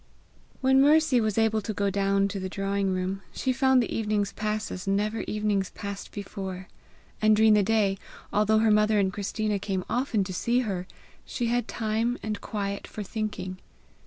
When Mercy was able to go down to the drawing room, she found the evenings pass as never evenings passed before; and during the day, although her mother and Christina came often to see her, she had time and quiet for thinking.